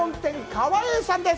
川栄さんです。